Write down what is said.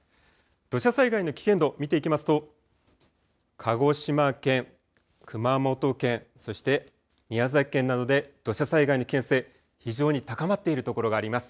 土砂災害の危険度、見ていきますと、鹿児島県、熊本県、そして宮崎県などで土砂災害の危険性、非常に高まっている所があります。